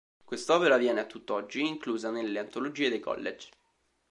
Quest'opera viene a tutt'oggi inclusa nelle antologie dei college.